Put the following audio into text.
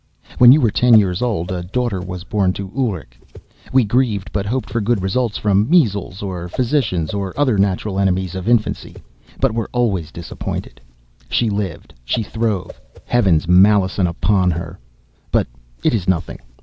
"When you were ten years old, a daughter was born to Ulrich. We grieved, but hoped for good results from measles, or physicians, or other natural enemies of infancy, but were always disappointed. She lived, she throve Heaven's malison upon her! But it is nothing.